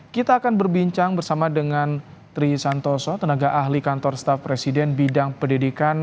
kita akan berbincang bersama dengan tri santoso tenaga ahli kantor staff presiden bidang pendidikan